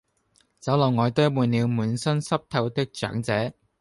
酒樓外堆滿了滿身濕透的長者